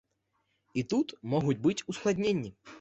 І тут могуць быць ускладненні.